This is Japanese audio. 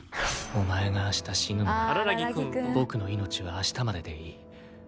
「お前があした死ぬのなら僕の命はあしたまででいい」